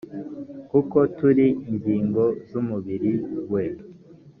kuko turi ingingo z umubiri we